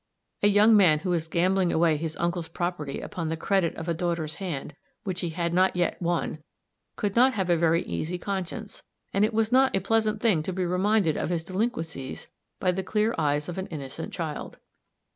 A young man who was gambling away his uncle's property upon the credit of a daughter's hand which he had not yet won, could not have a very easy conscience; and it was not a pleasant thing to be reminded of his delinquencies by the clear eyes of an innocent child.